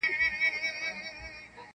خړسایل مي د لفظونو شاهنشا دی,